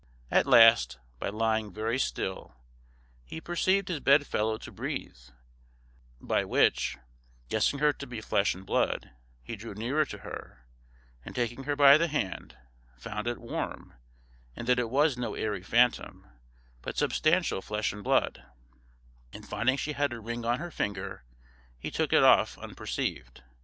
At last, by lying very still, he perceived his bedfellow to breathe, by which, guessing her to be flesh and blood, he drew nearer to her, and taking her by the hand, found it warm, and that it was no airy phantom, but substantial flesh and blood; and finding she had a ring on her finger, he took it off unperceived.